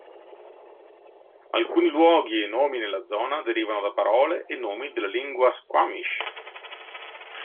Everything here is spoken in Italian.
Alcuni luoghi e nomi nella zona derivano da parole e nomi della lingua squamish.